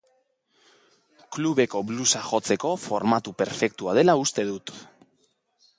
Klubeko bluesa jotzeko formatu perfektua dela uste dut.